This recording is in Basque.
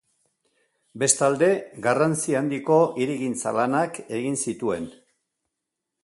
Bestalde, garrantzi handiko hirigintza-lanak egin zituen.